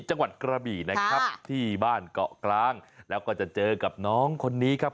จังหวัดกระบี่นะครับที่บ้านเกาะกลางแล้วก็จะเจอกับน้องคนนี้ครับ